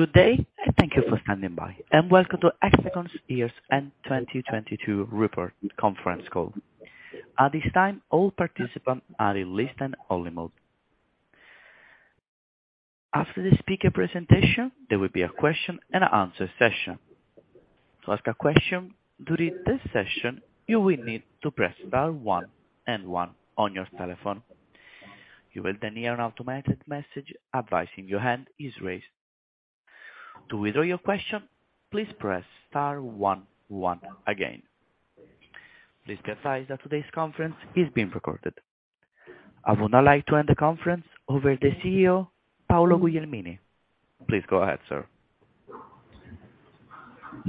Good day. Thank you for standing by, and welcome to Hexagon's Year-end 2022 Report Conference Call. At this time, all participants are in listen-only mode. After the speaker presentation, there will be a question-and-answer session. To ask a question during this session, you will need to press star one and one on your telephone. You will hear an automated message advising your hand is raised. To withdraw your question, please press star one one again. Please be advised that today's conference is being recorded. I would now like to hand the conference over to CEO Paolo Guglielmini. Please go ahead, sir.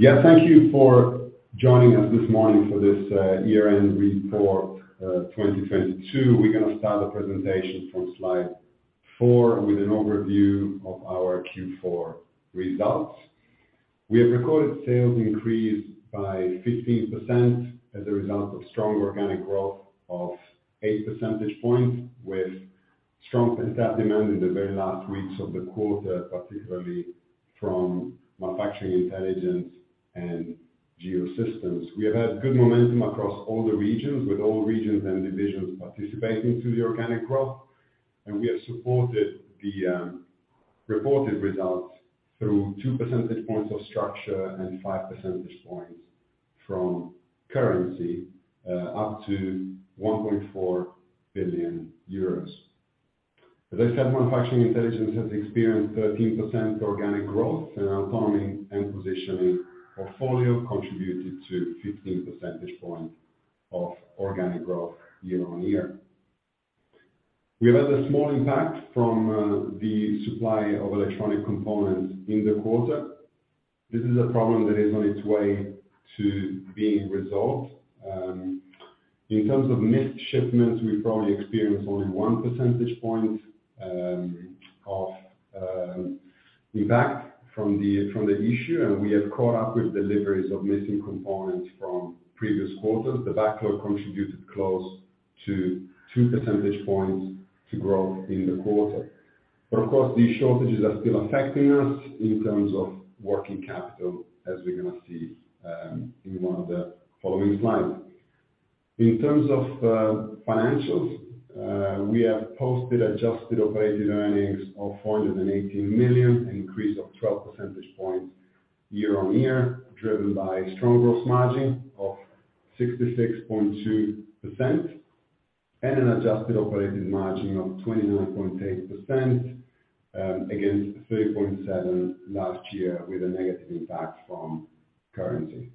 Thank you for joining us this morning for this year-end report, 2022. We're gonna start the presentation from slide four with an overview of our Q4 results. We have recorded sales increased by 15% as a result of strong organic growth of 8 percentage points, with strong pent-up demand in the very last weeks of the quarter, particularly from Manufacturing Intelligence and Geosystems. We have had good momentum across all the regions, with all regions and divisions participating to the organic growth. We have supported the reported results through 2 percentage points of structure and 5 percentage points from currency, up to 1.4 billion euros. As I said, Manufacturing Intelligence has experienced 13% organic growth, and autonomy and positioning portfolio contributed to 15 percentage points of organic growth year-on-year. We have had a small impact from the supply of electronic components in the quarter. This is a problem that is on its way to being resolved. In terms of missed shipments, we probably experienced only 1 percentage point of impact from the issue, and we have caught up with deliveries of missing components from previous quarters. The backlog contributed close to 2 percentage points to growth in the quarter. Of course, these shortages are still affecting us in terms of working capital, as we're gonna see in 1 of the following slides. In terms of financials, we have posted adjusted operating earnings of 480 million, an increase of 12 percentage points year-on-year, driven by strong gross margin of 66.2% and an adjusted operating margin of 29.8% against 30.7 last year with a negative impact from currency.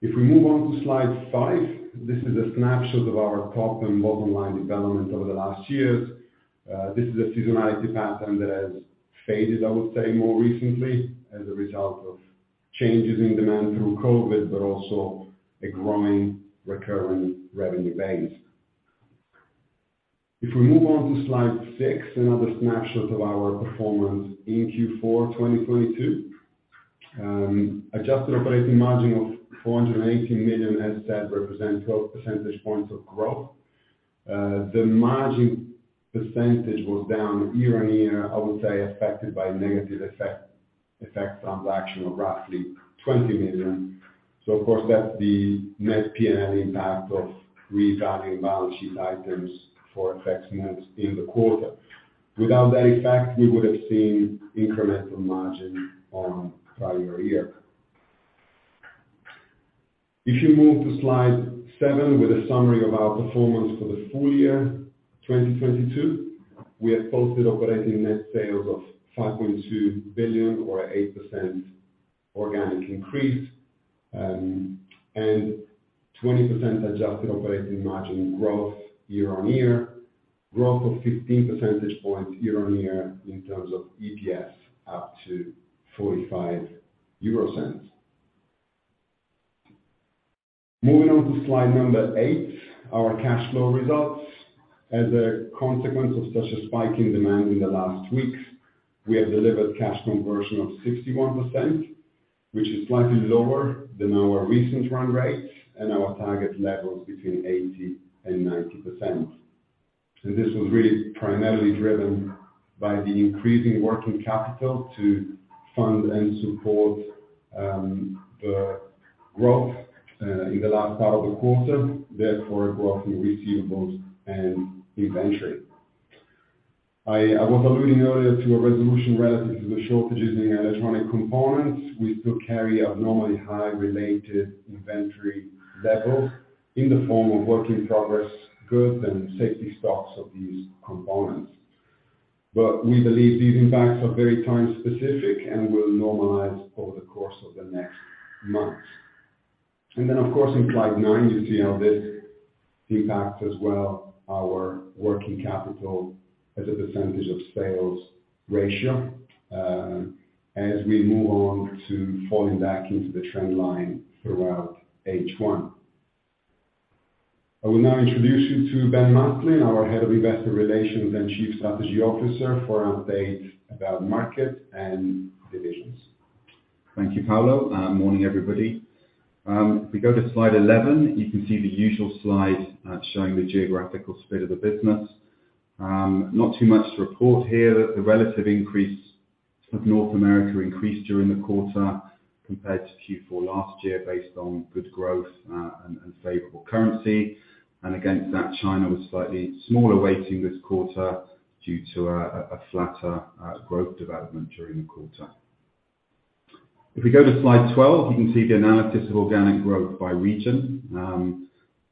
We move on to slide five, this is a snapshot of our top and bottom line development over the last years. This is a seasonality pattern that has faded, I would say, more recently as a result of changes in demand through COVID, but also a growing recurring revenue base. We move on to slide six, another snapshot of our performance in Q4 2022. Adjusted operating margin of 480 million, as said, represent 12 percentage points of growth. The margin percentage was down year-on-year, I would say affected by negative effects on the action of roughly 20 million. Of course, that's the net P&L impact of revaluing balance sheet items for effects missed in the quarter. Without that effect, we would have seen incremental margin on prior year. If you move to slide seven with a summary of our performance for the full year, 2022. We have posted operating net sales of 5.2 billion or 8% organic increase, and 20% adjusted operating margin growth year-on-year. Growth of 15 percentage points year-on-year in terms of EPS, up to 0.45. Moving on to slide number eight, our cash flow results. As a consequence of such a spike in demand in the last weeks, we have delivered cash conversion of 61%, which is slightly lower than our recent run rate and our target levels between 80% and 90%. This was really primarily driven by the increasing working capital to fund and support the growth in the last part of the quarter, therefore a growth in receivables and inventory. I was alluding earlier to a resolution relative to the shortages in electronic components. We still carry abnormally high related inventory levels in the form of work-in-progress goods and safety stocks of these components. We believe these impacts are very time specific and will normalize over the course of the next months. Of course, in slide nine, you see how this impacts as well our working capital as a percentage of sales ratio, as we move on to falling back into the trend line throughout H one. I will now introduce you to Ben Maslen, our head of investor relations and chief strategy officer, for an update about market and divisions. Thank you, Paolo. Morning, everybody. If we go to slide 11, you can see the usual slide showing the geographical split of the business. Not too much to report here. The relative increase of North America increased during the quarter compared to Q4 last year based on good growth and favorable currency. Against that, China was slightly smaller weighting this quarter due to a flatter growth development during the quarter. If we go to slide 12, you can see the analysis of organic growth by region.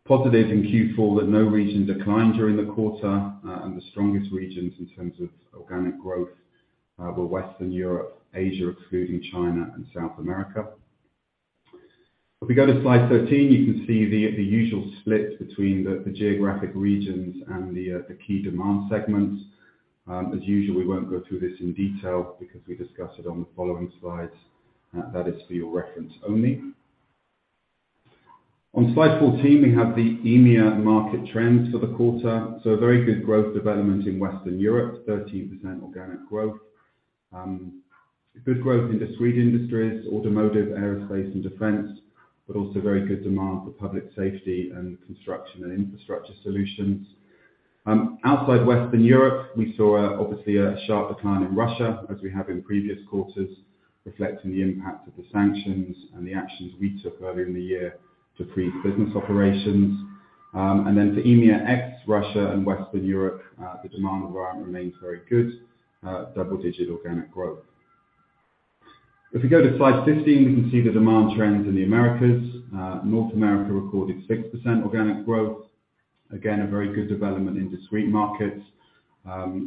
Positives in Q4 that no region declined during the quarter. The strongest regions in terms of organic growth were Western Europe, Asia, excluding China and South America. If we go to slide 13, you can see the usual split between the geographic regions and the key demand segments. As usual, we won't go through this in detail because we discuss it on the following slides. That is for your reference only. On slide 14, we have the EMEA market trends for the quarter. A very good growth development in Western Europe, 13% organic growth. Good growth in discrete industries, automotive, aerospace and defense, but also very good demand for public safety and construction and infrastructure solutions. Outside Western Europe, we saw obviously a sharper decline in Russia as we have in previous quarters, reflecting the impact of the sanctions and the actions we took earlier in the year to freeze business operations. For EMEA ex, Russia and Western Europe, the demand environment remains very good, double-digit organic growth. If you go to slide 15, we can see the demand trends in the Americas. North America recorded 6% organic growth. Again, a very good development in discrete markets.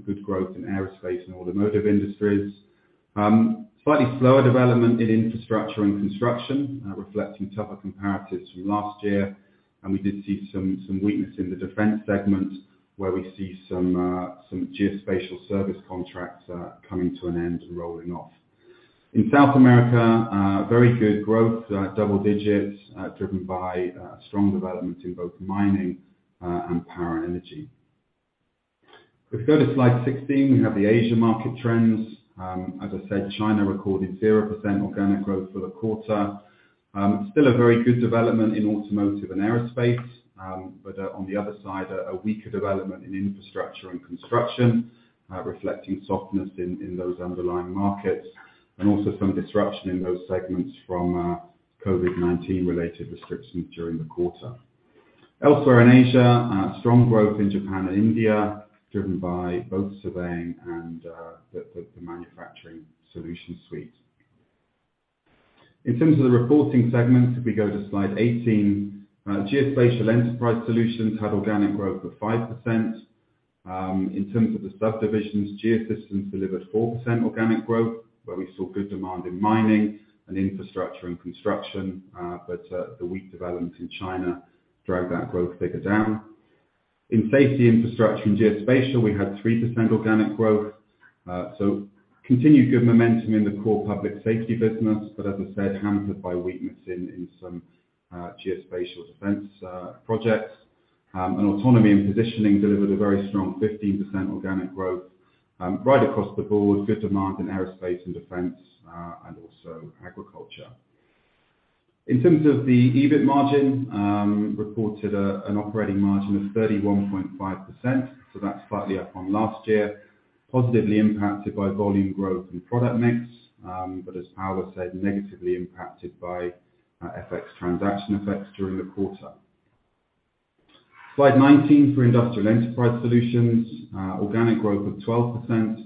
Good growth in aerospace and automotive industries. Slightly slower development in infrastructure and construction, reflecting tougher comparatives from last year. We did see some weakness in the defense segment where we see some geospatial service contracts coming to an end and rolling off. In South America, very good growth, double-digit, driven by strong development in both mining and power and energy. If you go to slide 16, we have the Asia market trends. As I said, China recorded 0% organic growth for the quarter. Still a very good development in automotive and aerospace. On the other side, a weaker development in infrastructure and construction, reflecting softness in those underlying markets and also some disruption in those segments from COVID-19 related restrictions during the quarter. Elsewhere in Asia, strong growth in Japan and India, driven by both surveying and the manufacturing solution suite. In terms of the reporting segments, if we go to slide 18, Geospatial Enterprise Solutions had organic growth of 5%. In terms of the subdivisions, Geosystems delivered 4% organic growth, where we saw good demand in mining and infrastructure and construction. The weak development in China drove that growth figure down. In Safety, Infrastructure & Geospatial, we had 3% organic growth. Continued good momentum in the core public safety business, but as I said, hampered by weakness in some geospatial defense projects. Autonomy and positioning delivered a very strong 15% organic growth right across the board. Good demand in aerospace and defense and also agriculture. In terms of the EBIT margin, reported an operating margin of 31.5%. That's slightly up on last year, positively impacted by volume growth and product mix. As Paolo said, negatively impacted by FX transaction effects during the quarter. Slide 19 for Industrial Enterprise Solutions, organic growth of 12%.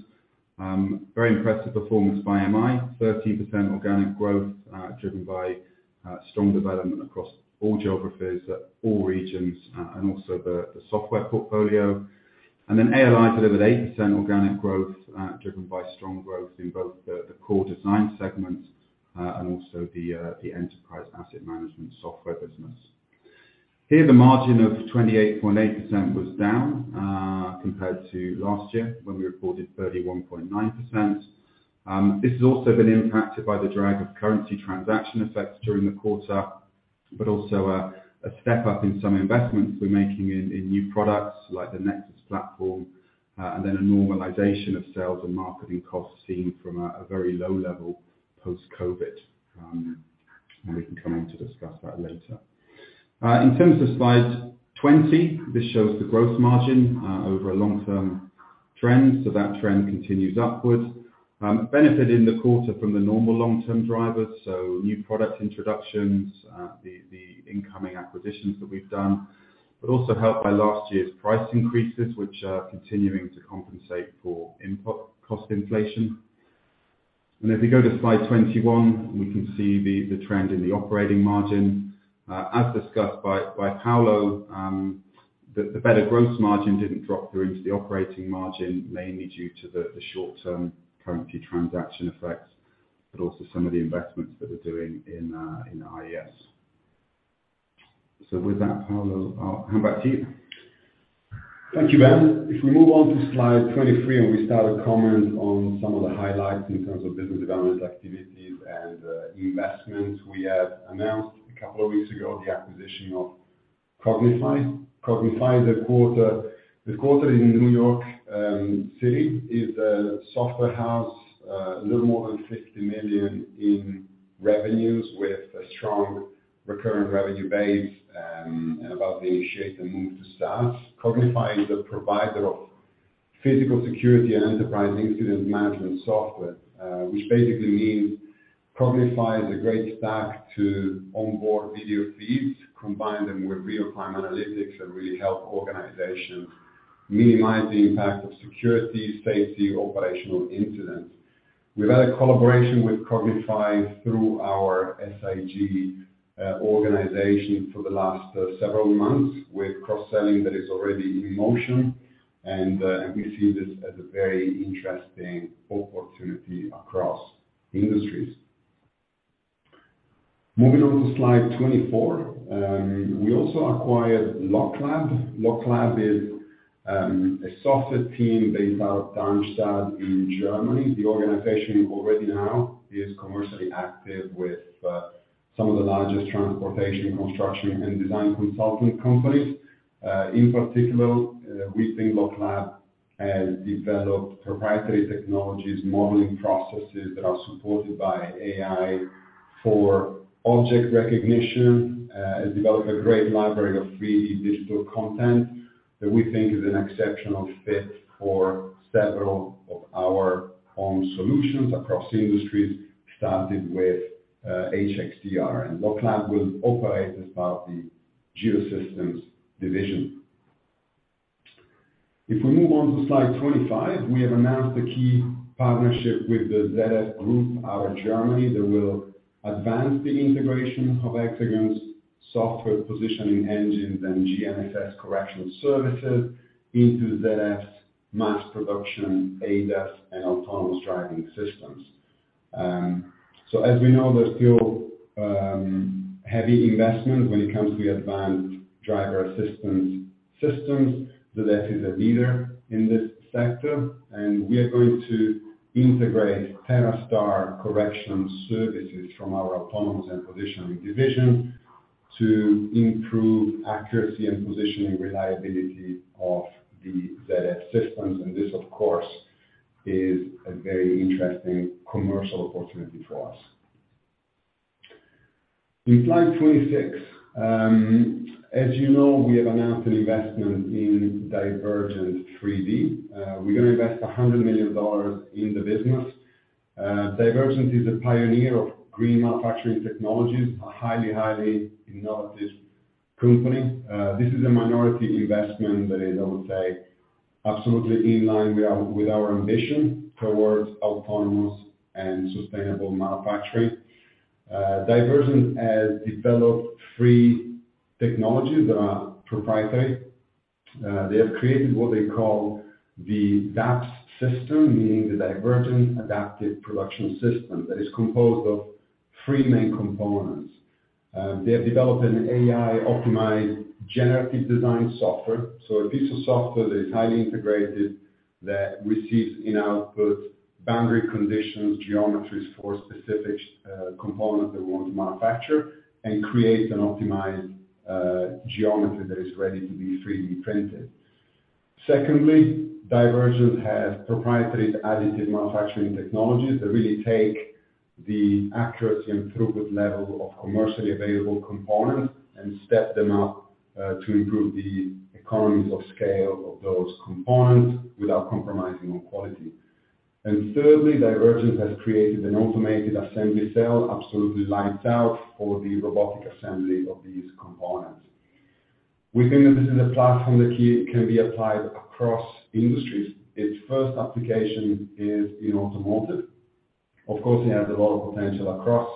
Very impressive performance by MI, 13% organic growth, driven by strong development across all geographies, all regions, and also the software portfolio. ALI delivered 8% organic growth, driven by strong growth in both the core design segments, and also the enterprise asset management software business. Here, the margin of 28.8% was down compared to last year when we reported 31.9%. This has also been impacted by the drag of currency transaction effects during the quarter, but also a step up in some investments we're making in new products like the Nexus platform, and then a normalization of sales and marketing costs seen from a very low level post-COVID. We can come on to discuss that later. In terms of slide 20, this shows the gross margin over a long term trend. That trend continues upward. Benefiting the quarter from the normal long term drivers, new product introductions, the incoming acquisitions that we've done, but also helped by last year's price increases, which are continuing to compensate for input cost inflation. If you go to slide 21, we can see the trend in the operating margin. As discussed by Paolo, the better gross margin didn't drop through into the operating margin, mainly due to the short term currency transaction effects, but also some of the investments that we're doing in IES. With that, Paolo, I'll hand back to you. Thank you, Ben. We move on to slide 23, we start to comment on some of the highlights in terms of business development activities and investments. We have announced a couple of weeks ago the acquisition of Qognify. Qognify, the quarter in New York City is a software house, a little more than 50 million in revenues with a strong recurring revenue base, about to initiate the move to SaaS. Qognify is a provider of physical security and enterprise incident management software, which basically means Qognify is a great stack to onboard video feeds, combine them with real-time analytics, and really help organizations minimize the impact of security, safety, operational incidents. We've had a collaboration with Qognify through our SIG organization for the last several months with cross-selling that is already in motion, and we see this as a very interesting opportunity across industries. Moving on to slide 24. We also acquired LocLab. LocLab is a software team based out of Darmstadt in Germany. The organization already now is commercially active with some of the largest transportation, construction, and design consulting companies. In particular, we think LocLab has developed proprietary technologies, modeling processes that are supported by AI for object recognition, has developed a great library of 3D digital content that we think is an exceptional fit for several of our own solutions across industries, starting with HxDR. LocLab will operate as part of the Geosystems division. If we move on to slide 25, we have announced a key partnership with the ZF Group out of Germany that will advance the integration of Hexagon's software positioning engines and GNSS correction services into ZF's mass production ADAS and autonomous driving systems. As we know, there's still heavy investment when it comes to advanced driver assistance systems. ZF is a leader in this sector, we are going to integrate TerraStar correction services from our autonomous and positioning division to improve accuracy and positioning reliability of the ZF systems. This, of course, is a very interesting commercial opportunity for us. In slide 26, as you know, we have announced an investment in Divergent 3D. We're gonna invest $100 million in the business. Divergent is a pioneer of green manufacturing technologies, a highly innovative company. This is a minority investment that is, I would say, absolutely in line with our, with our ambition towards autonomous and sustainable manufacturing. Divergent has developed three technologies that are proprietary. They have created what they call the DAPS system, meaning the Divergent Adaptive Production System, that is composed of three main components. They have developed an AI-optimized generative design software. A piece of software that is highly integrated, that receives in output boundary conditions, geometries for a specific component they want to manufacture and creates an optimized geometry that is ready to be 3D printed. Secondly, Divergent has proprietary additive manufacturing technologies that really take the accuracy and throughput level of commercially available components and step them up to improve the economies of scale of those components without compromising on quality. Thirdly, Divergent has created an automated assembly cell, absolutely lights out for the robotic assembly of these components. We think that this is a platform that can be applied across industries. Its first application is in automotive. Of course, it has a lot of potential across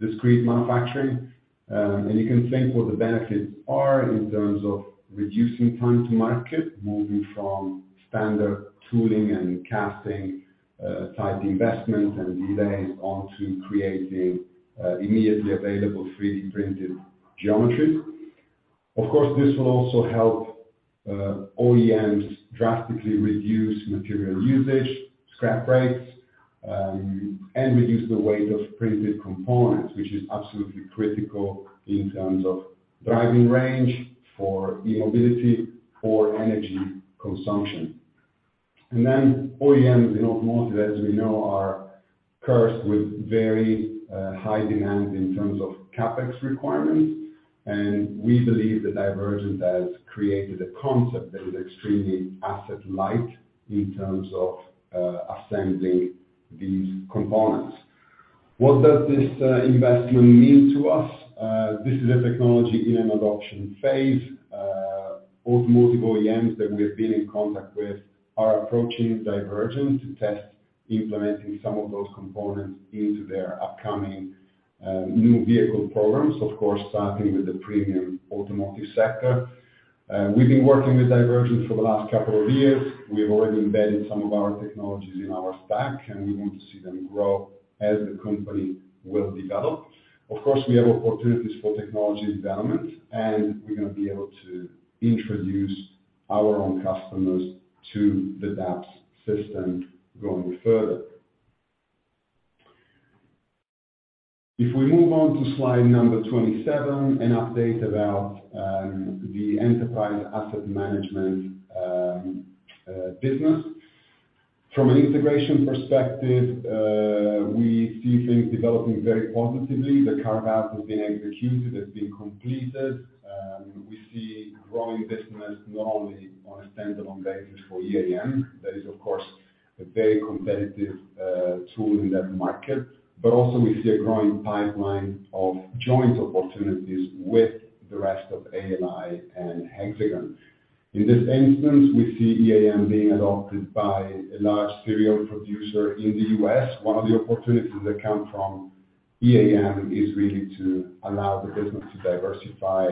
discrete manufacturing. You can think what the benefits are in terms of reducing time to market, moving from standard tooling and casting, type investments and delays on to creating, immediately available 3D-printed geometries. Of course, this will also help OEMs drastically reduce material usage, scrap rates, and reduce the weight of printed components, which is absolutely critical in terms of driving range for e-mobility, for energy consumption. OEMs in automotive, as we know, are cursed with very high demands in terms of CapEx requirements. We believe that Divergent has created a concept that is extremely asset light in terms of assembling these components. What does this investment mean to us? This is a technology in an adoption phase. Automotive OEMs that we have been in contact with are approaching Divergent to test implementing some of those components into their upcoming new vehicle programs, of course, starting with the premium automotive sector. We've been working with Divergent for the last couple of years. We have already embedded some of our technologies in our stack, and we want to see them grow as the company will develop. Of course, we have opportunities for technology development, and we're gonna be able to introduce our own customers to the DAPS system going further. If we move on to slide number 27, an update about the enterprise asset management business. From an integration perspective, we see things developing very positively. The carve-out has been executed, has been completed. Also, we see growing business not only on a standalone basis for EAM, that is of course a very competitive tool in that market. In this instance, we see EAM being adopted by a large cereal producer in the U.S. One of the opportunities that come from EAM is really to allow the business to diversify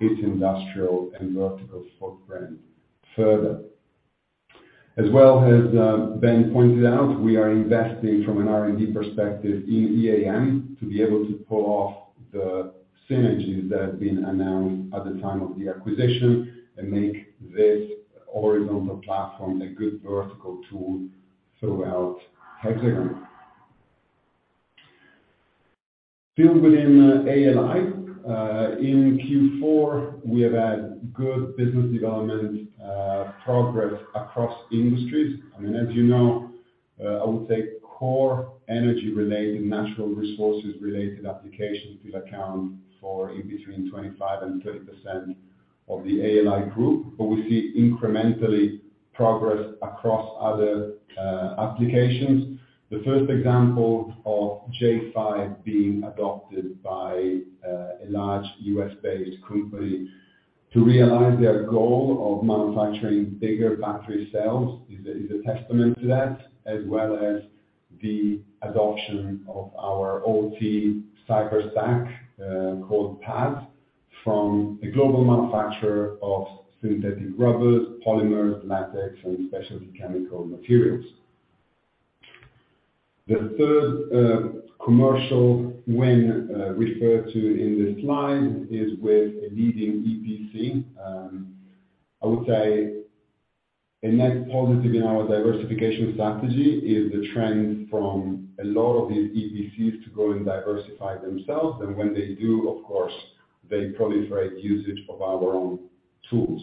its industrial and vertical footprint further. As well as, Ben pointed out, we are investing from an R&D perspective in EAM to be able to pull off the synergies that have been announced at the time of the acquisition and make this horizontal platform a good vertical tool throughout Hexagon. Still within ALI, in Q4, we have had good business development progress across industries. I mean, as you know, I would say core energy-related, natural resources-related applications will account for in between 25% and 30% of the ALI group. We see incrementally progress across other applications. The first example of j5 being adopted by a large US-based company to realize their goal of manufacturing bigger battery cells is a testament to that, as well as the adoption of our OT cyber stack, called PAD, from a global manufacturer of synthetic rubbers, polymers, latex, and specialty chemical materials. The third commercial win referred to in this slide is with a leading EPC. I would say a net positive in our diversification strategy is the trend from a lot of these EPCs to go and diversify themselves. When they do, of course, they proliferate usage of our own tools.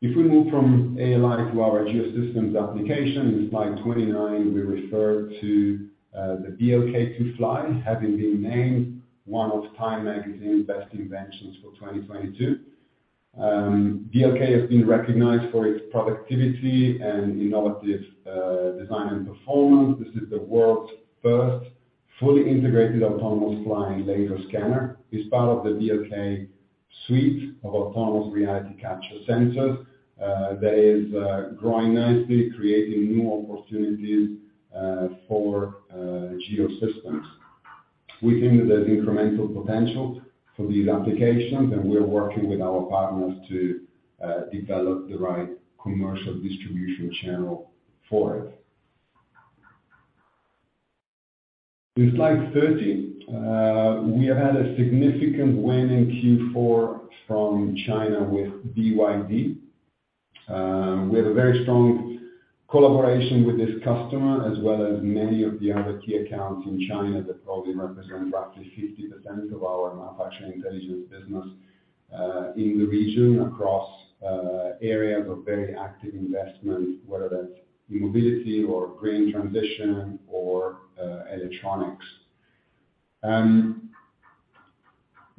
We move from ALI to our Geosystems applications, slide 29, we refer to the BLK2FLY having been named one of Time Magazine's best inventions for 2022. BLK has been recognized for its productivity and innovative design and performance. This is the world's first fully integrated autonomous flying laser scanner. It's part of the BLK suite of autonomous reality capture sensors that is growing nicely, creating new opportunities for Geosystems. We think that there's incremental potential for these applications, and we are working with our partners to develop the right commercial distribution channel for it. Slide 30, we have had a significant win in Q4 from China with BYD. We have a very strong collaboration with this customer as well as many of the other key accounts in China that probably represent roughly 50% of our Manufacturing Intelligence business in the region across areas of very active investment, whether that's e-mobility or green transition or electronics.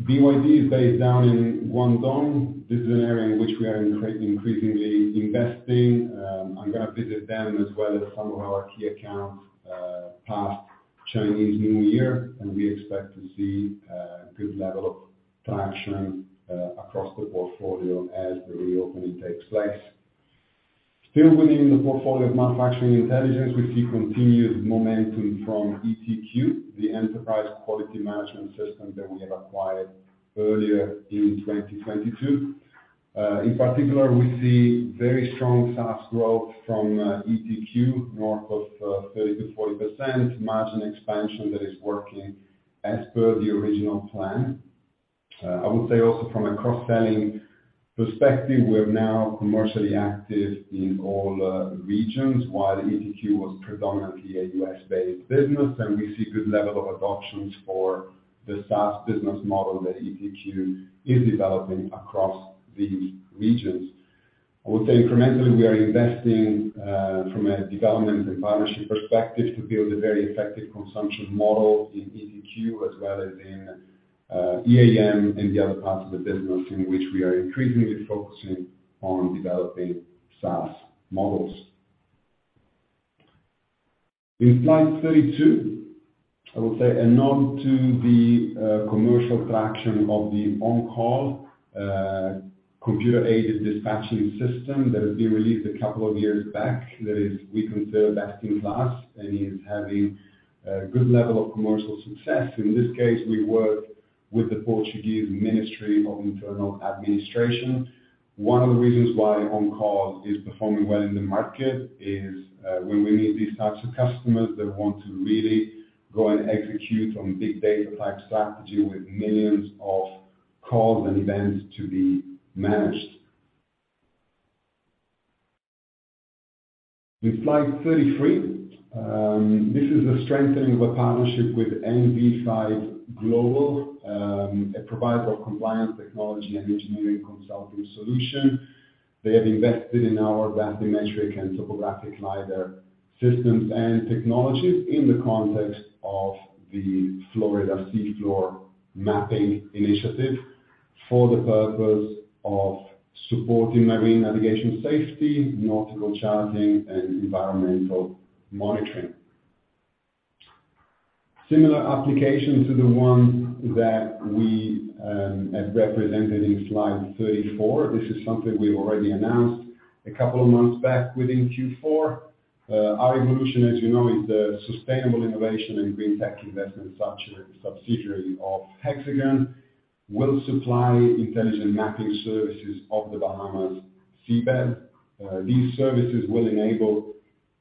BYD is based down in Guangdong. This is an area in which we are increasingly investing. I'm gonna visit them as well as some of our key accounts past Chinese New Year, and we expect to see a good level of traction across the portfolio as the reopening takes place. Still within the portfolio of Manufacturing Intelligence, we see continued momentum from ETQ, the enterprise quality management system that we have acquired earlier in 2022. In particular, we see very strong SaaS growth from ETQ, north of 30%-40%. Margin expansion that is working as per the original plan. I would say also from a cross-selling perspective, we are now commercially active in all regions, while ETQ was predominantly a US-based business, and we see good level of adoptions for the SaaS business model that ETQ is developing across these regions. I would say incrementally, we are investing from a development and partnership perspective to build a very effective consumption model in ETQ as well as in EAM and the other parts of the business in which we are increasingly focusing on developing SaaS models. In slide 32, I would say a nod to the commercial traction of the OnCall computer-aided dispatching system that has been released a couple of years back. That is, we consider best in class and is having a good level of commercial success. In this case, we work with the Portuguese Ministry of Internal Administration. One of the reasons why OnCall is performing well in the market is when we meet these types of customers that want to really go and execute on big data type strategy with millions of calls and events to be managed. With slide 33, this is the strengthening of a partnership with NV5 Global, a provider of compliance technology and engineering consulting solution. They have invested in our bathymetric and topographic lidar systems and technologies in the context of the Florida Seafloor Mapping Initiative for the purpose of supporting marine navigation safety, nautical charting and environmental monitoring. Similar applications to the one that we have represented in slide 34. This is something we already announced a couple of months back within Q4. Our R-evolution, as you know, is the sustainable innovation and green-tech investment sub-subsidiary of Hexagon will supply intelligent mapping services of the Bahamas seabed. These services will enable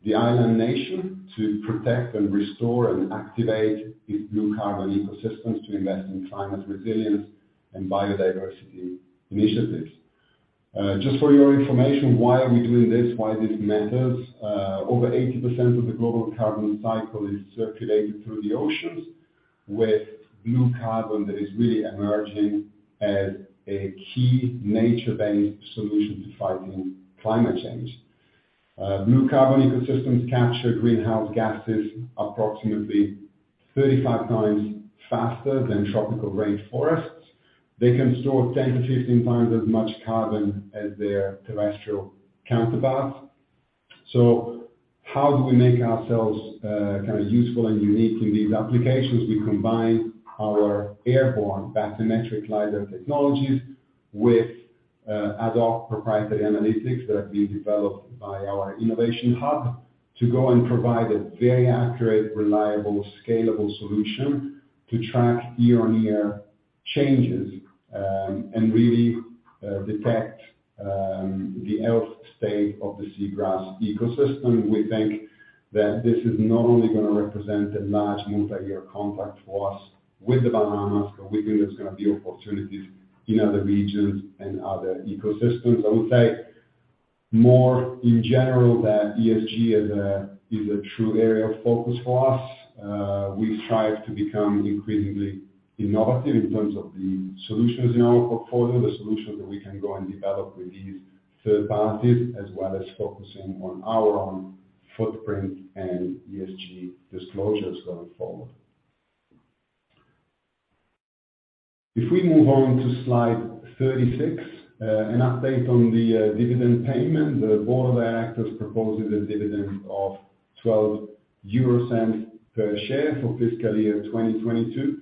the island nation to protect and restore and activate its blue carbon ecosystems to invest in climate resilience and biodiversity initiatives. Just for your information, why are we doing this? Why this matters. Over 80% of the global carbon cycle is circulated through the oceans with blue carbon that is really emerging as a key nature-based solution to fighting climate change. Blue carbon ecosystems capture greenhouse gases approximately 35 times faster than tropical rainforests. They can store 10-15 times as much carbon as their terrestrial counterparts. How do we make ourselves kind of useful and unique in these applications? We combine our airborne bathymetric lidar technologies with adopt proprietary analytics that have been developed by our innovation hub to go and provide a very accurate, reliable, scalable solution to track year-on-year changes, and really detect the health state of the seagrass ecosystem. We think that this is not only gonna represent a large multi-year contract for us with the Bahamas, but we think there's gonna be opportunities in other regions and other ecosystems. I would say more in general that ESG is a, is a true area of focus for us. We strive to become increasingly innovative in terms of the solutions in our portfolio, the solutions that we can go and develop with these third parties, as well as focusing on our own footprint and ESG disclosures going forward. If we move on to slide 36, an update on the dividend payment. The Board of Directors proposes a dividend of 0.12 per share for fiscal year 2022,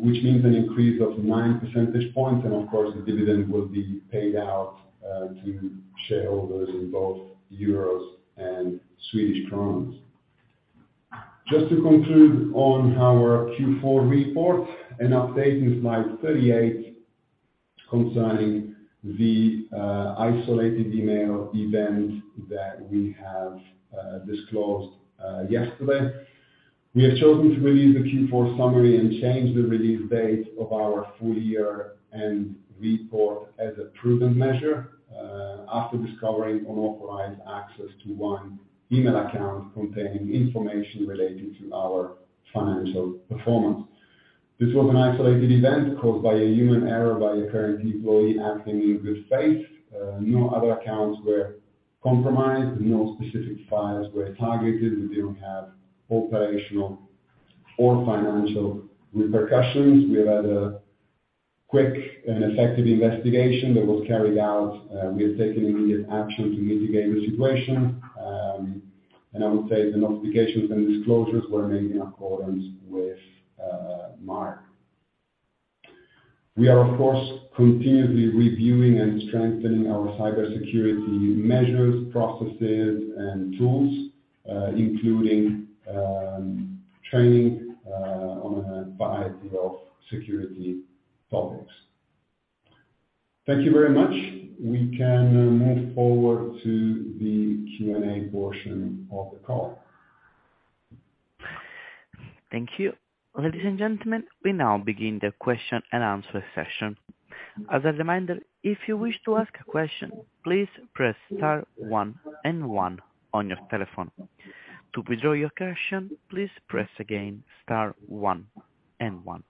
which means an increase of 9 percentage points. Of course, the dividend will be paid out to shareholders in both euros and Swedish crowns. Just to conclude on our Q4 report, an update in slide 38 concerning the isolated email event that we have disclosed yesterday. We have chosen to release the Q4 summary and change the release date of our full year and report as a prudent measure, after discovering unauthorized access to 1 email account containing information related to our financial performance. This was an isolated event caused by a human error by a current employee acting in good faith. No other accounts were compromised. No specific files were targeted. We didn't have operational or financial repercussions. We had a quick and effective investigation that was carried out. We have taken immediate action to mitigate the situation. I would say the notifications and disclosures were made in accordance with MAR. We are, of course, continuously reviewing and strengthening our cybersecurity measures, processes and tools, including training on a variety of security topics. Thank you very much. We can move forward to the Q&A portion of the call. Thank you. Ladies and gentlemen, we now begin the question and answer session. As a reminder, if you wish to ask a question, please press star one and one on your telephone. To withdraw your question, please press again star one and one.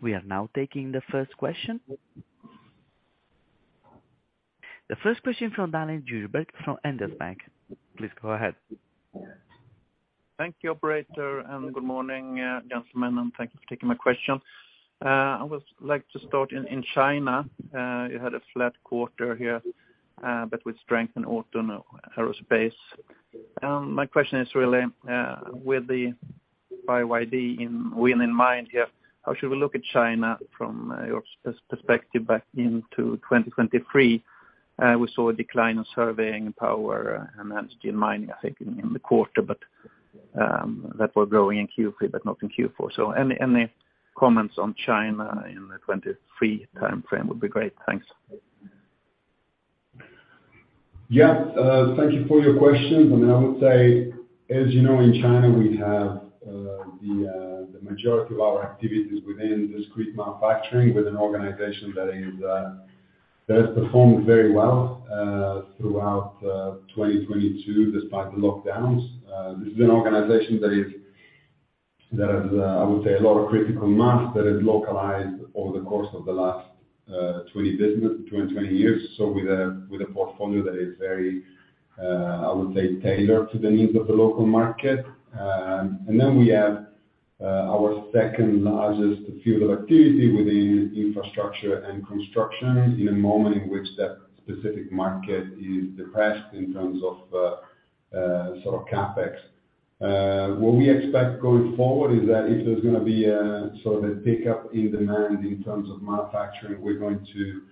We are now taking the first question. The first question from Daniel Djurberg from Handelsbanken. Please go ahead. Thank you, operator. Good morning, gentlemen, and thank you for taking my question. I would like to start in China. You had a flat quarter here, with strength in autumn aerospace. My question is really, with the BYD in wind and mine here, how should we look at China from your perspective back into 2023? We saw a decline in surveying power and energy and mining, I think, in the quarter, but that was growing in Q3 but not in Q4. Any comments on China in the 2023 timeframe would be great. Thanks. Yeah. Thank you for your question. I mean, I would say, as you know, in China we have the majority of our activities within discrete manufacturing with an organization that has performed very well throughout 2022 despite the lockdowns. This is an organization that has, I would say, a lot of critical mass that has localized over the course of the last 20 years. With a portfolio that is very, I would say, tailored to the needs of the local market. We have our second largest field of activity within infrastructure and construction in a moment in which that specific market is depressed in terms of sort of CapEx. What we expect going forward is that if there's gonna be a sort of a pickup in demand in terms of manufacturing, we're going to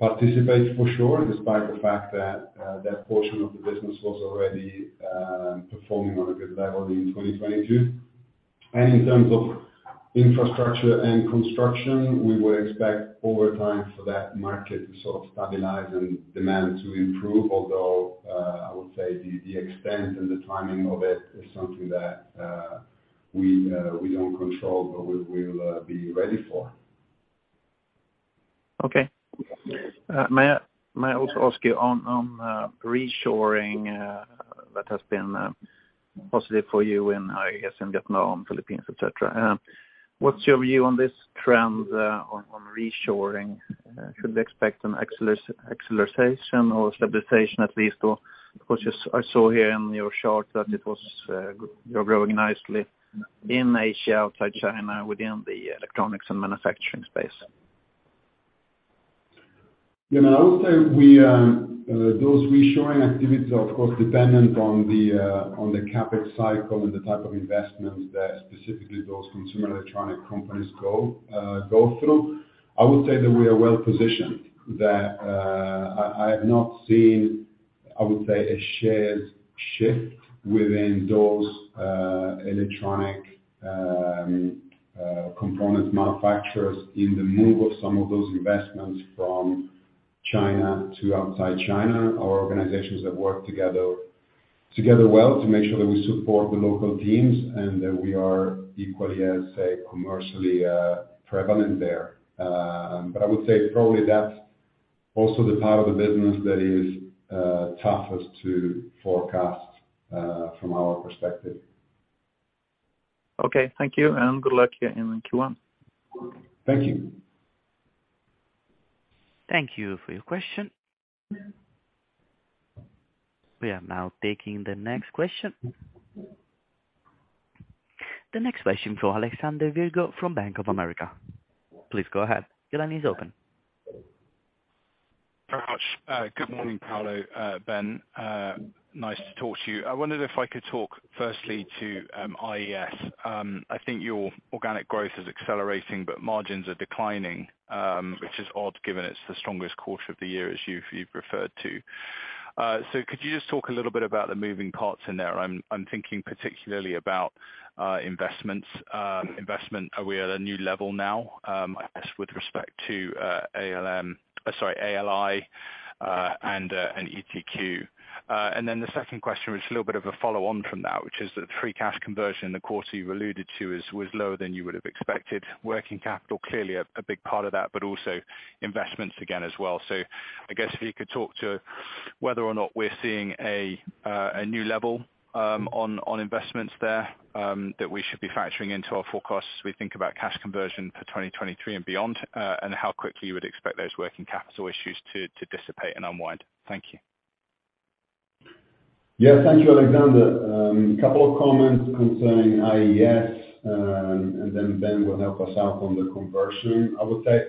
participate for sure, despite the fact that portion of the business was already performing on a good level in 2022. In terms of infrastructure and construction, we would expect over time for that market to sort of stabilize and demand to improve. Although, I would say the extent and the timing of it is something that we don't control, but we'll be ready for. Okay. May I also ask you on reshoring, that has been positive for you in IES, in Vietnam, Philippines, et cetera? What's your view on this trend on reshoring? Should we expect an acceleration or stabilization at least? Of course, yes, I saw here in your chart that it was you're growing nicely in Asia, outside China, within the electronics and manufacturing space. You know, I would say we, those reshoring activities are of course dependent on the CapEx cycle and the type of investments that specifically those consumer electronic companies go through. I would say that we are well positioned that, I have not seen, I would say a shared shift within those electronic components manufacturers in the move of some of those investments from China to outside China. Our organizations that work together well to make sure that we support the local teams and that we are equally as, say, commercially, prevalent there. I would say probably that's also the part of the business that is toughest to forecast from our perspective. Okay. Thank you and good luck here in Q1. Thank you. Thank you for your question. We are now taking the next question. The next question from Alexander Virgo from Bank of America. Please go ahead. Your line is open. Very much. Good morning, Paolo, Ben. Nice to talk to you. I wondered if I could talk firstly to IES. I think your organic growth is accelerating but margins are declining, which is odd given it's the strongest quarter of the year as you've referred to. Could you just talk a little bit about the moving parts in there? I'm thinking particularly about investments. Investment, are we at a new level now? I guess with respect to ALI and ETQ. The second question was a little bit of a follow on from that, which is the free cash conversion in the quarter you've alluded to was lower than you would've expected. Working capital clearly a big part of that, but also investments again as well. I guess if you could talk to whether or not we're seeing a new level on investments there that we should be factoring into our forecasts. We think about cash conversion for 2023 and beyond, and how quickly you would expect those working capital issues to dissipate and unwind. Thank you. Yeah, thank you, Alexander. Couple of comments concerning IES, then Ben will help us out on the conversion. I would say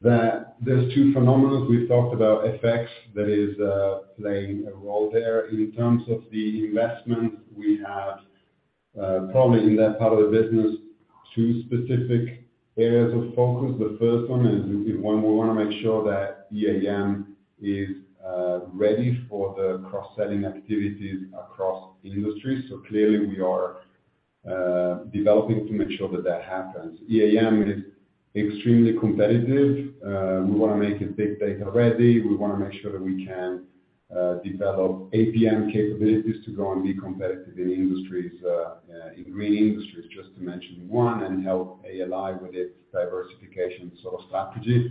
that there's two phenomenons. We've talked about FX that is playing a role there. In terms of the investment we have, probably in that part of the business, two specific areas of focus. The first one is we wanna make sure that EAM is ready for the cross-selling activities across industries. Clearly we are developing to make sure that that happens. EAM is extremely competitive. We wanna make it big data ready. We wanna make sure that we can develop APM capabilities to go and be competitive in industries, in green industries, just to mention one, and help ALI with its diversification sort of strategy.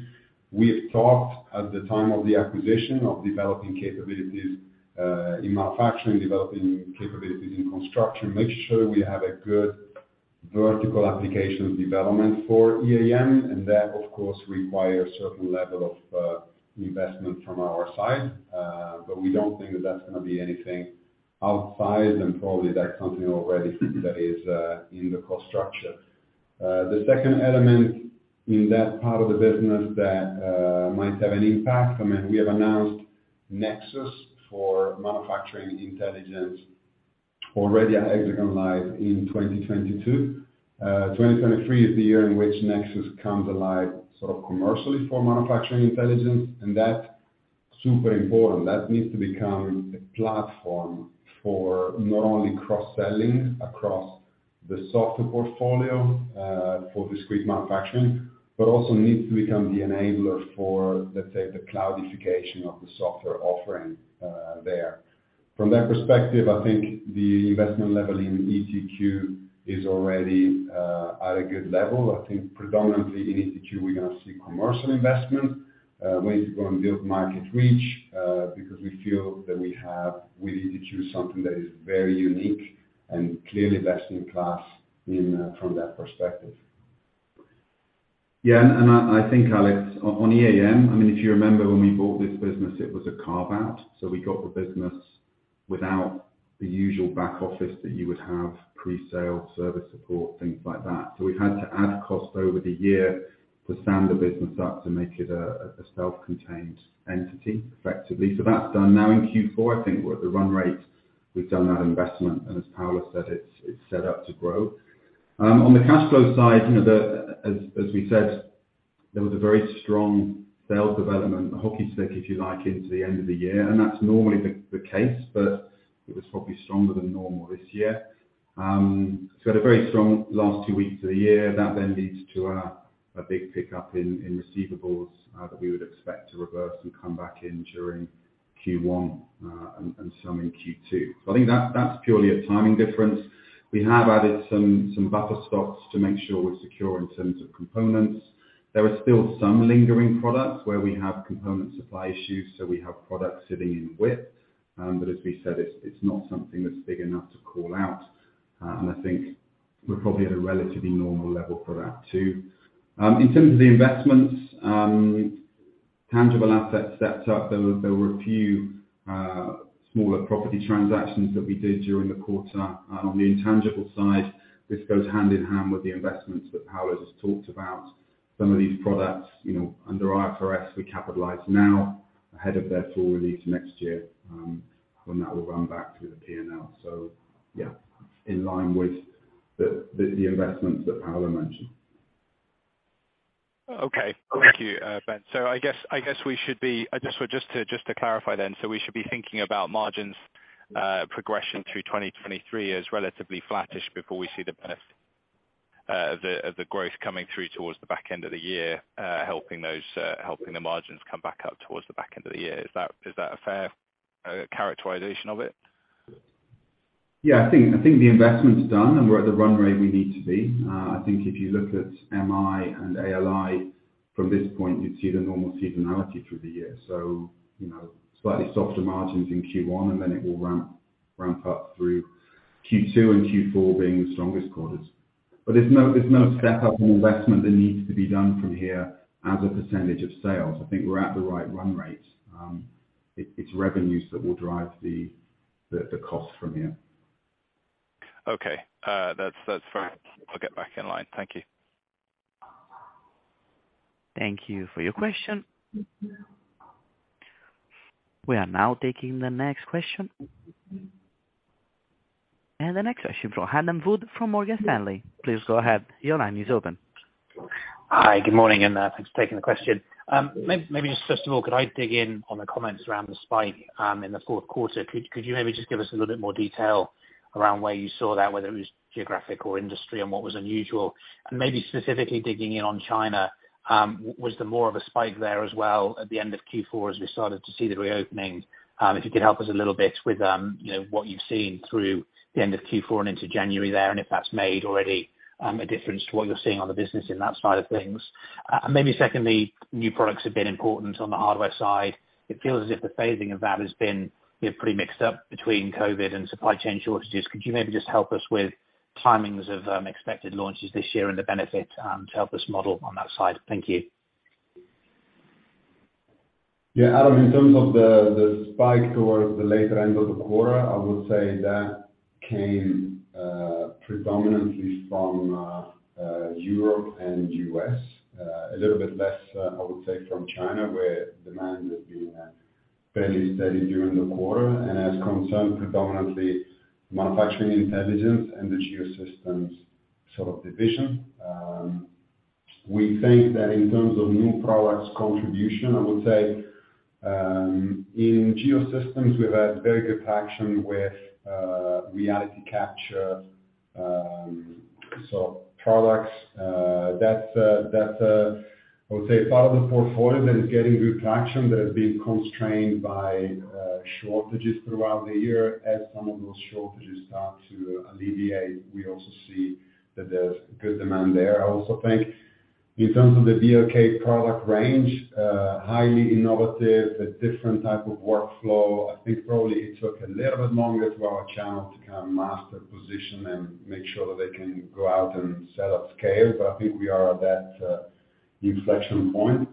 We have talked at the time of the acquisition of developing capabilities in Manufacturing, developing capabilities in construction, make sure we have a good vertical applications development for EAM. That of course requires certain level of investment from our side. We don't think that that's gonna be anything outsized and probably that's something already that is in the cost structure. The second element in that part of the business that might have an impact, I mean, we have announced Nexus for Manufacturing Intelligence already at Hexagon LIVE in 2022. 2023 is the year in which Nexus comes alive sort of commercially for Manufacturing Intelligence, and that's super important. That needs to become a platform for not only cross-selling across the software portfolio for discrete manufacturing, but also needs to become the enabler for, let's say, the cloudification of the software offering there. From that perspective, I think the investment level in ETQ is already at a good level. I think predominantly in ETQ, we're gonna see commercial investment ways to go and build market reach because we feel that we have with ETQ something that is very unique and clearly best in class in from that perspective. Yeah. I think, Alex, on EAM, I mean, if you remember when we bought this business, it was a carve-out, we got the business without the usual back office that you would have pre-sale, service support, things like that. We had to add cost over the year to stand the business up to make it a self-contained entity, effectively. That's done now in Q4. I think we're at the run rate. We've done that investment, and as Paolo said, it's set up to grow. On the cash flow side, you know, as we said, there was a very strong sales development hockey stick, if you like, into the end of the year, and that's normally the case, but it was probably stronger than normal this year. We had a very strong last two weeks of the year. That then leads to a big pickup in receivables that we would expect to reverse and come back in during Q1 and some in Q2. I think that's purely a timing difference. We have added some buffer stocks to make sure we're secure in terms of components. There are still some lingering products where we have component supply issues, so we have products sitting in width. As we said, it's not something that's big enough to call out. I think we're probably at a relatively normal level for that, too. In terms of the investments, tangible assets stepped up. There were a few smaller property transactions that we did during the quarter. On the intangible side, this goes hand in hand with the investments that Paolo has talked about. Some of these products, you know, under IFRS, we capitalize now ahead of their full release next year, when that will run back through the P&L. In line with the investments that Paolo mentioned. Okay. Thank you, Ben. I guess we should be... just to clarify then, we should be thinking about margins progression through 2023 as relatively flattish before we see the benefit of the growth coming through towards the back end of the year, helping the margins come back up towards the back end of the year. Is that, is that a fair characterization of it? I think the investment's done, and we're at the run rate we need to be. I think if you look at MI and ALI from this point, you'd see the normal seasonality through the year. You know, slightly softer margins in Q1, and then it will ramp up through Q2 and Q4 being the strongest quarters. There's no step-up in investment that needs to be done from here as a percentage of sales. I think we're at the right run rate. It's revenues that will drive the cost from here. Okay. That's fair. I'll get back in line. Thank you. Thank you for your question. We are now taking the next question. The next question from Adam Wood from Morgan Stanley. Please go ahead. Your line is open. Hi. Good morning, and thanks for taking the question. Maybe just first of all, could I dig in on the comments around the spike in the fourth quarter? Could you maybe just give us a little bit more detail around where you saw that, whether it was geographic or industry and what was unusual? Maybe specifically digging in on China, was there more of a spike there as well at the end of Q4 as we started to see the reopening? If you could help us a little bit with, you know, what you've seen through the end of Q4 and into January there and if that's made already a difference to what you're seeing on the business in that side of things. Maybe secondly, new products have been important on the hardware side. It feels as if the phasing of that has been, you know, pretty mixed up between COVID and supply chain shortages. Could you maybe just help us with timings of expected launches this year and the benefit to help us model on that side? Thank you. Yeah. Adam, in terms of the spike towards the later end of the quarter, I would say that came predominantly from Europe and U.S. A little bit less, I would say from China, where demand has been fairly steady during the quarter and has concerned predominantly Manufacturing Intelligence and the Geosystems sort of division. We think that in terms of new products contribution, I would say, in Geosystems, we've had very good traction with reality capture, so products, that's a, I would say part of the portfolio that is getting good traction, that has been constrained by shortages throughout the year. As some of those shortages start to alleviate, we also see that there's good demand there. I also think in terms of the BLK product range, highly innovative, a different type of workflow. I think probably it took a little bit longer for our channel to kind of master position and make sure that they can go out and sell at scale, but I think we are at that inflection point.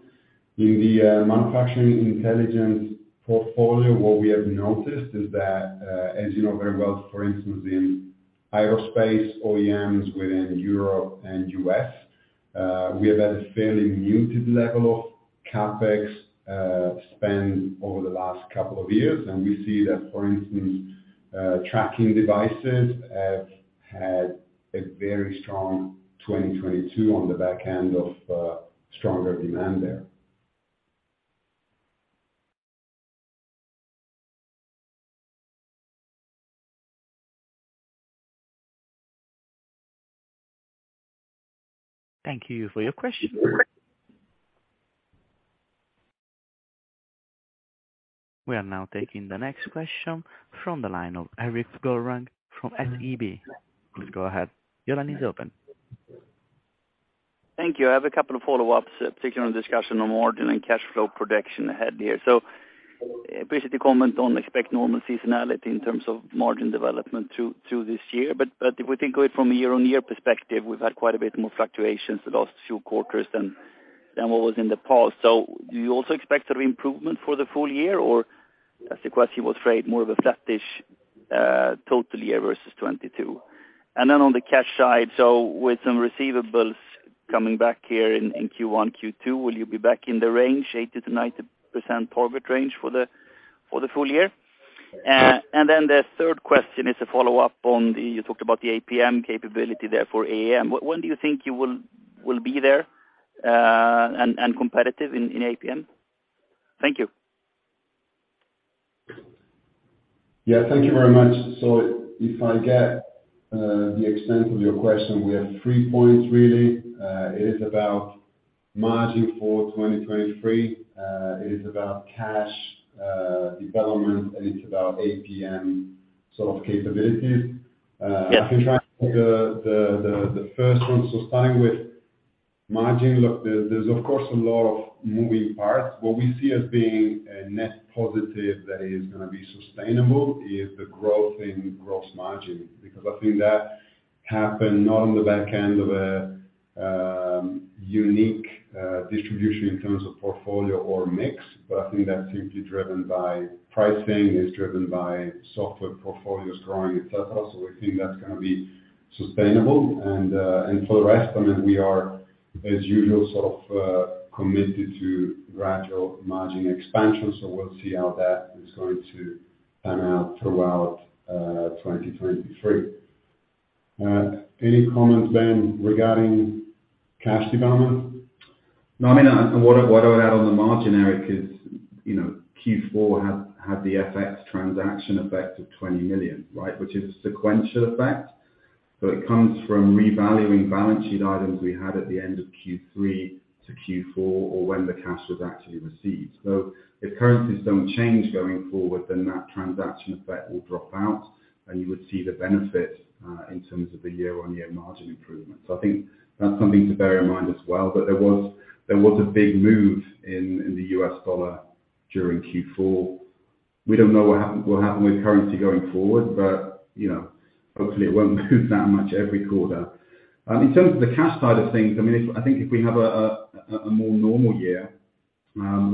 In the Manufacturing Intelligence portfolio, what we have noticed is that, as you know very well, for instance, in aerospace OEMs within Europe and U.S., we have had a fairly muted level of CapEx spend over the last couple of years. We see that, for instance, tracking devices have had a very strong 2022 on the back end of stronger demand there. Thank you for your question. We are now taking the next question from the line of Erik Golrang from SEB. Please go ahead. Your line is open. Thank you. I have a couple of follow-ups, particularly on discussion on margin and cash flow production ahead here. Basically, comment on expect normal seasonality in terms of margin development through this year. But if we think of it from a year-on-year perspective, we've had quite a bit more fluctuations the last few quarters than what was in the past. Do you also expect an improvement for the full year, or as the question was framed, more of a flattish total year versus 22? Then on the cash side, with some receivables coming back here in Q1, Q2, will you be back in the 80%-90% target range for the full year? Then the third question is a follow-up on the... You talked about the APM capability there for AM. When do you think you will be there and competitive in APM? Thank you. Yeah, thank you very much. If I get the extent of your question, we have three points really. It is about margin for 2023. It is about cash development, and it's about APM sort of capabilities. Yes. I can try the first one. Starting with margin. Look, there's of course a lot of moving parts. What we see as being a net positive that is going to be sustainable is the growth in gross margin, because I think that happened not on the back end of a unique distribution in terms of portfolio or mix, but I think that's simply driven by pricing. It's driven by software portfolios growing, et cetera. We think that's going to be sustainable. For the rest, I mean, we are as usual, sort of, committed to gradual margin expansion. We'll see how that is going to pan out throughout 2023. Any comments, Ben, regarding cash development? No, I mean, what I would add on the margin, Erik, is, you know, Q4 had the FX transaction effect of 20 million, right? Which is a sequential effect. It comes from revaluing balance sheet items we had at the end of Q3 to Q4 or when the cash was actually received. If currencies don't change going forward, then that transaction effect will drop out and you would see the benefit in terms of the year-on-year margin improvement. I think that's something to bear in mind as well. There was a big move in the US dollar during Q4. We don't know what happened with currency going forward, but, you know, hopefully it won't move that much every quarter. In terms of the cash side of things, I mean, I think if we have a, a more normal year,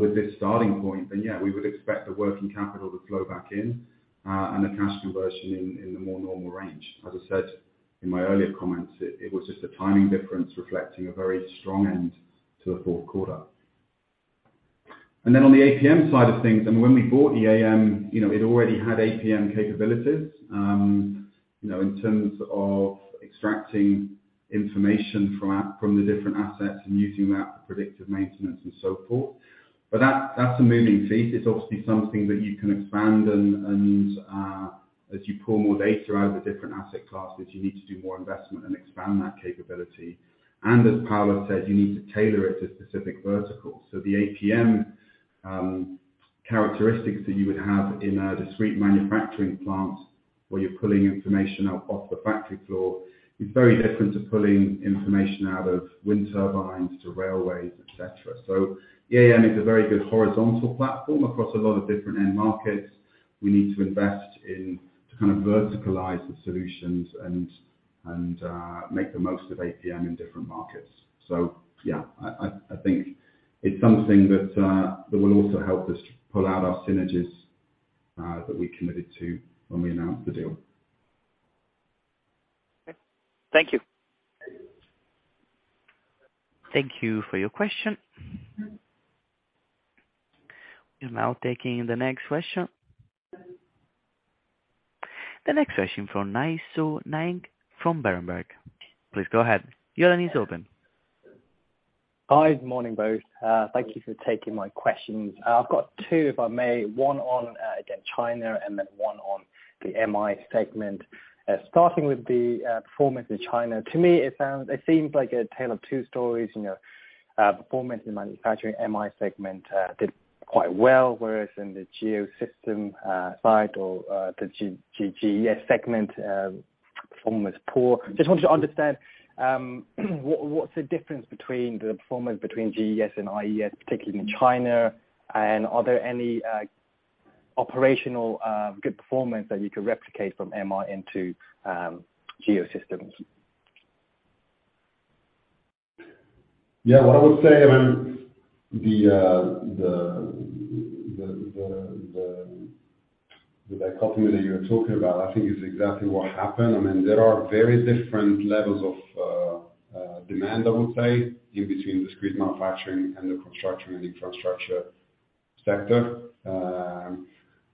with this starting point, then yeah, we would expect the working capital to flow back in, and the cash conversion in a more normal range. As I said in my earlier comments, it was just a timing difference reflecting a very strong end to the fourth quarter. On the APM side of things, I mean, when we bought the AM, you know, it already had APM capabilities, you know, in terms of extracting information from the different assets and using that for predictive maintenance and so forth. That's a moving piece. It's obviously something that you can expand, as you pull more data out of the different asset classes, you need to do more investment and expand that capability. As Paolo said, you need to tailor it to specific verticals. The APM characteristics that you would have in a discrete manufacturing plant where you're pulling information out off the factory floor is very different to pulling information out of wind turbines to railways, et cetera. EAM is a very good horizontal platform across a lot of different end markets. We need to invest in to kind of verticalize the solutions and make the most of APM in different markets. Yeah, I think it's something that will also help us pull out our synergies that we committed to when we announced the deal. Okay. Thank you. Thank you for your question. We are now taking the next question. The next question from Nay Soe Naing from Berenberg. Please go ahead. Your line is open. Hi. Good morning, both. Thank you for taking my questions. I've got two, if I may. One on, again China, and then one on the MI segment. Starting with the performance in China. To me it seems like a tale of two stories, you know. Performance in the manufacturing MI segment, did quite well, whereas in the Geosystems side or the GES segment, performance poor. Just wanted to understand, what's the difference between the performance between GES and IES, particularly in China? Are there any operational good performance that you could replicate from MI into Geosystems? Yeah. What I would say, I mean, the dichotomy that you're talking about, I think is exactly what happened. I mean, there are very different levels of demand, I would say, in between discrete manufacturing and the construction and infrastructure sector.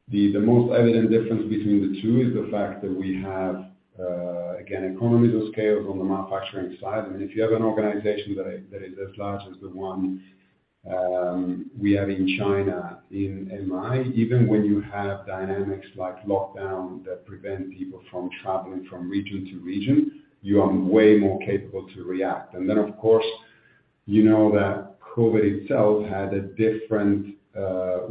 The most evident difference between the two is the fact that we have again economies of scale from the manufacturing side. I mean, if you have an organization that is as large as the one we have in China, in MI, even when you have dynamics like lockdown that prevent people from traveling from region to region, you are way more capable to react. Of course, you know that COVID itself had a different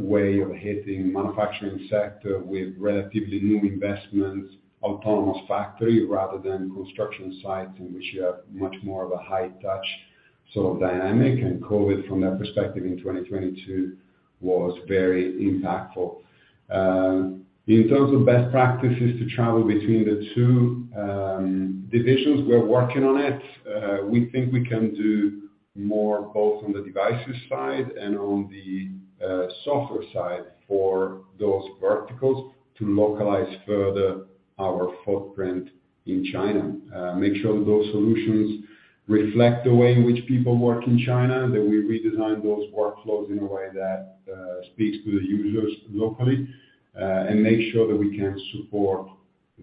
way of hitting manufacturing sector with relatively new investments, autonomous factory, rather than construction sites, in which you have much more of a high touch sort of dynamic. COVID, from that perspective in 2022, was very impactful. In terms of best practices to travel between the two divisions, we're working on it. We think we can do more, both on the devices side and on the software side for those verticals to localize further our footprint in China. Make sure those solutions reflect the way in which people work in China, that we redesign those workflows in a way that speaks to the users locally, and make sure that we can support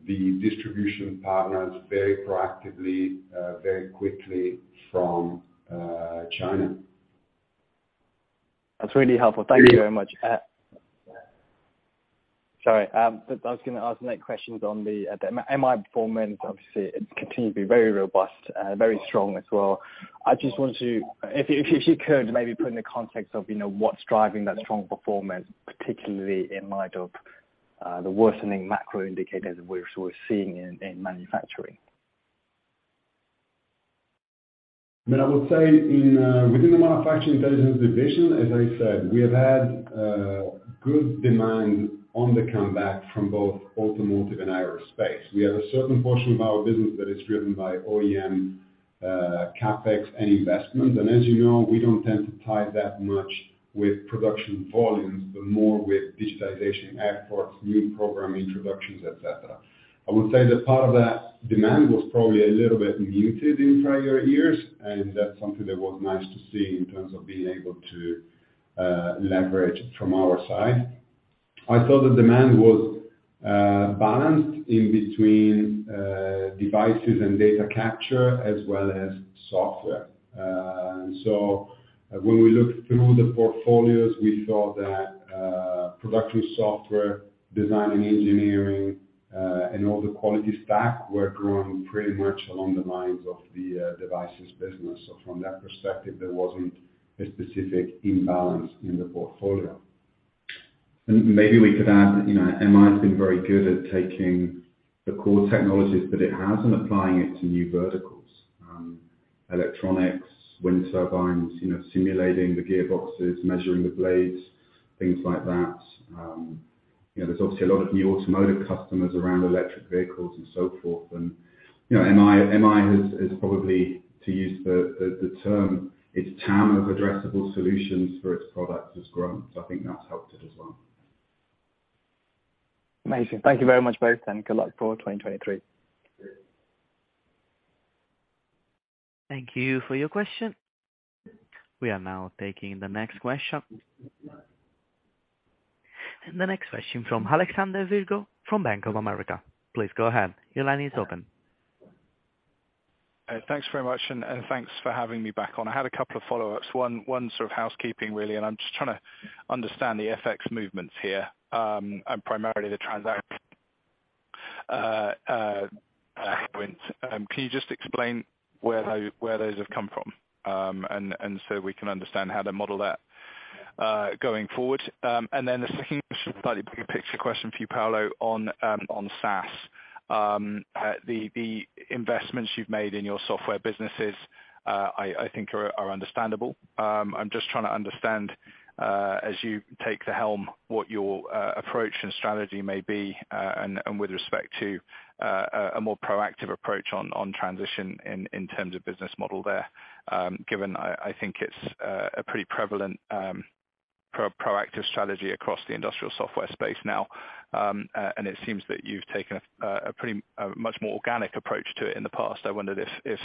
the distribution partners very proactively, very quickly from China. That's really helpful. Thank you very much. Sorry, I was gonna ask the next question is on the MI performance. Obviously, it continued to be very robust, very strong as well. If you could maybe put in the context of, you know, what's driving that strong performance, particularly in light of the worsening macro indicators we're seeing in manufacturing? I mean, I would say in within the Manufacturing Intelligence division, as I said, we have had good demand on the comeback from both automotive and aerospace. We have a certain portion of our business that is driven by OEM CapEx and investment. As you know, we don't tend to tie that much with production volumes, but more with digitalization efforts, new program introductions, et cetera. I would say that part of that demand was probably a little bit muted in prior years, and that's something that was nice to see in terms of being able to leverage from our side. I thought the demand was balanced in between devices and data capture as well as software. When we looked through the portfolios, we saw that, production software, design and engineering, and all the quality stack were growing pretty much along the lines of the devices business. From that perspective, there wasn't a specific imbalance in the portfolio. Maybe we could add, you know, MI has been very good at taking the core technologies that it has and applying it to new verticals. Electronics, wind turbines, you know, simulating the gearboxes, measuring the blades, things like that. You know, there's obviously a lot of new automotive customers around electric vehicles and so forth. You know, MI is probably, to use the term, its TAM of addressable solutions for its products has grown. I think that's helped it as well. Amazing. Thank you very much, both, and good luck for 2023. Thank you for your question. We are now taking the next question. The next question from Alexander Virgo from Bank of America. Please go ahead. Your line is open. Thanks very much, and thanks for having me back on. I had a couple of follow-ups. One sort of housekeeping, really, I'm just trying to understand the FX movements here, and primarily the transaction wind. Can you just explain where those have come from? We can understand how to model that going forward. The second question, slightly bigger picture question for you, Paolo, on SaaS. The investments you've made in your software businesses, I think are understandable. I'm just trying to understand as you take the helm, what your approach and strategy may be, and with respect to a more proactive approach on transition in terms of business model there. Given I think it's a pretty prevalent proactive strategy across the industrial software space now. It seems that you've taken a pretty, a much more organic approach to it in the past. I wonder if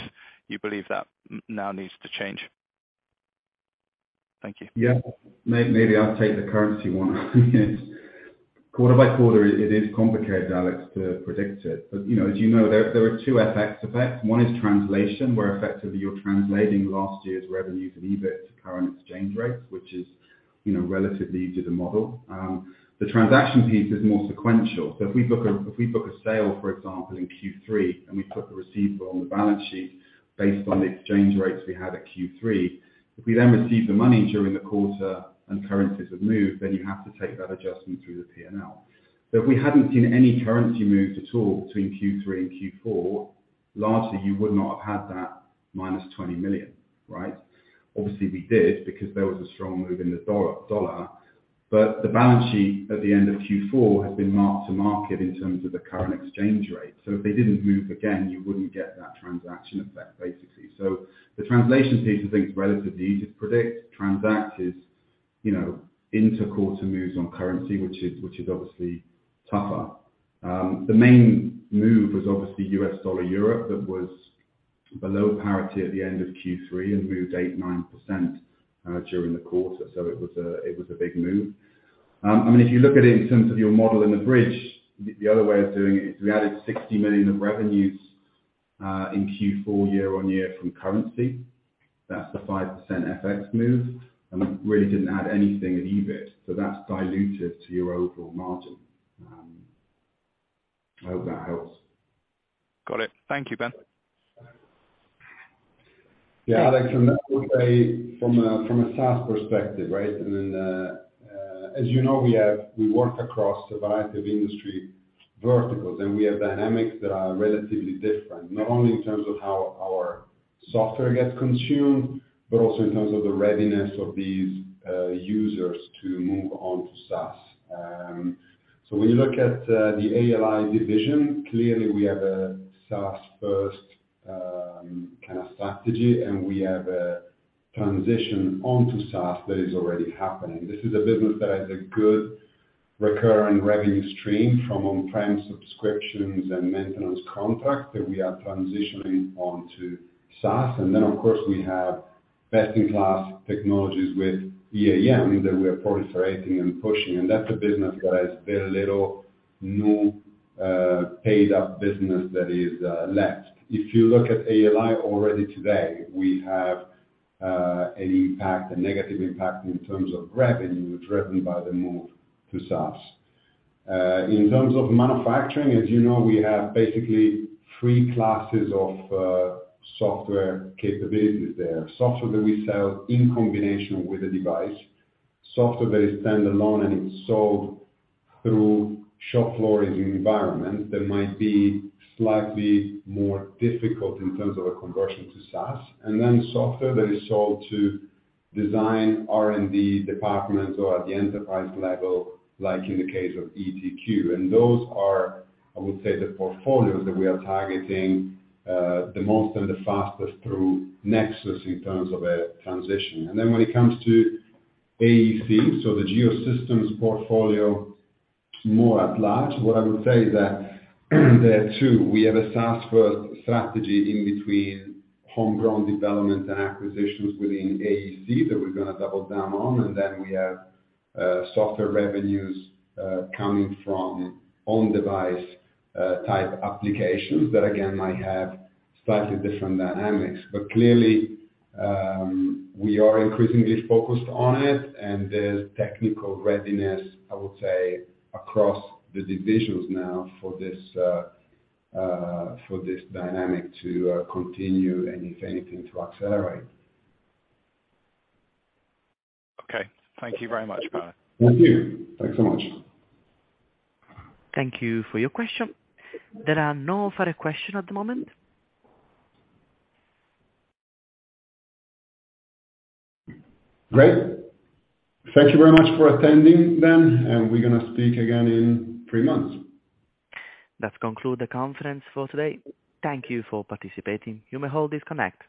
you believe that now needs to change. Thank you. Yeah. Maybe I'll take the currency one. Quarter by quarter, it is complicated, Alex, to predict it. You know, as you know, there are two FX effects. One is translation, where effectively you're translating last year's revenues and EBIT to current exchange rates, which is, you know, relatively easy to model. The transaction piece is more sequential. If we book a sale, for example, in Q3, and we put the receivable on the balance sheet based on the exchange rates we had at Q3, if we then receive the money during the quarter and currencies have moved, then you have to take that adjustment through the P&L. If we hadn't seen any currency moves at all between Q3 and Q4, largely you would not have had that -20 million, right? Obviously we did, because there was a strong move in the dollar, but the balance sheet at the end of Q4 had been marked to market in terms of the current exchange rate. If they didn't move again, you wouldn't get that transaction effect, basically. The translation piece I think is relatively easy to predict. Transact is, you know, inter-quarter moves on currency, which is obviously tougher. The main move was obviously US dollar/EUR, that was below parity at the end of Q3 and moved 8, 9% during the quarter. It was a big move. I mean, if you look at it in terms of your model in the bridge, the other way of doing it is we added 60 million of revenues. In Q4 year-over-year from currency, that's the 5% FX move, really didn't add anything at EBIT. That's dilutive to your overall margin. I hope that helps. Got it. Thank you, Ben. Alex, I would say from a SaaS perspective, right? As you know, we work across a variety of industry verticals, and we have dynamics that are relatively different, not only in terms of how our software gets consumed, but also in terms of the readiness of these users to move on to SaaS. When you look at the ALI division, clearly we have a SaaS first kind of strategy, and we have a transition onto SaaS that is already happening. This is a business that has a good recurring revenue stream from on-prem subscriptions and maintenance contracts that we are transitioning on to SaaS. Of course, we have best-in-class technologies with EAM that we're proliferating and pushing. That's a business that has very little new, paid-up business that is left. If you look at ALI already today, we have an impact, a negative impact in terms of revenue driven by the move to SaaS. In terms of manufacturing, as you know, we have basically three classes of software capabilities there. Software that we sell in combination with the device, software that is standalone and it's sold through shop floor engineering environment that might be slightly more difficult in terms of a conversion to SaaS, and then software that is sold to design R&D departments or at the enterprise level, like in the case of ETQ. Those are, I would say, the portfolios that we are targeting the most and the fastest through Nexus in terms of a transition. When it comes to AEC, so the Geosystems portfolio more at large, what I would say is that there too, we have a SaaS-first strategy in between homegrown development and acquisitions within AEC that we're gonna double down on. We have software revenues coming from on-device type applications that again, might have slightly different dynamics. Clearly, we are increasingly focused on it, and there's technical readiness, I would say, across the divisions now for this dynamic to continue, and if anything, to accelerate. Okay. Thank you very much, Paolo. Thank you. Thanks so much. Thank you for your question. There are no further questions at the moment. Great. Thank you very much for attending then. We're gonna speak again in three months. That conclude the conference for today. Thank you for participating. You may all disconnect.